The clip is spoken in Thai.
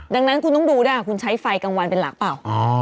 ดังนั้นคุณต้องดูด้วยคุณใช้ไฟกลางวันเป็นหลักเปล่า